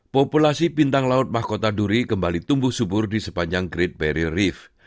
populasi bintang laut mahkota duri kembali tumbuh subur di sepanjang great barry rief